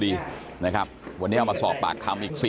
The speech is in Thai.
ทีมข่าวเราก็พยายามสอบปากคำในแหบนะครับ